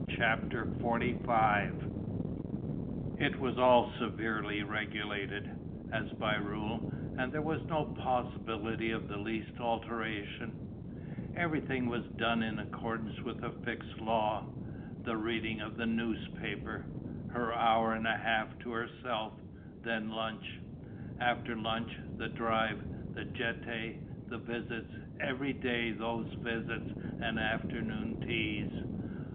CHAPTER XLV It was all severely regulated, as by rule, and there was no possibility of the least alteration: everything was done in accordance with a fixed law. The reading of the newspaper; her hour and a half to herself; then lunch. After lunch, the drive, the Jetée, the visits; every day, those visits and afternoon teas.